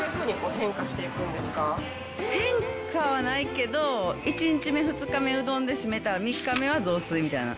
変化はないけど、１日、２日目うどんで締めたら３日目は雑炊みたいな。